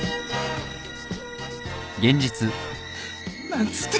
何つって。